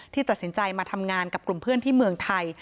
ตัดสินใจมาทำงานกับกลุ่มเพื่อนที่เมืองไทย